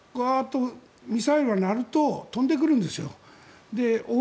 ミサイルが飛んでくるんですよ。